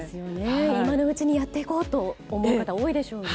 今のうちにやっていこうと思う方多いでしょうね。